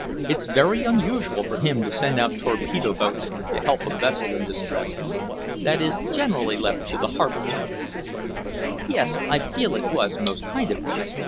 "It's very unusual for him to send out torpedo boats to help a vessel in distress. That is generally left to the harbor tug." "Yes, I feel that it was most kind of him.